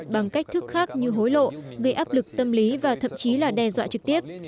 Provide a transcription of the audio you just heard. bằng cách thức khác như hối lộ gây áp lực tâm lý và thậm chí là đe dọa trực tiếp